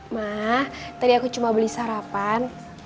mah tadi aku cuma beli sarapan